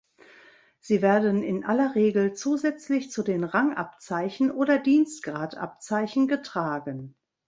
Sie werden in aller Regel zusätzlich zu den Rangabzeichen oder Dienstgradabzeichen getragen.